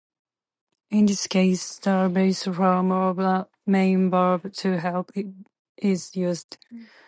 In this case, the base form of the main verb "to help" is used.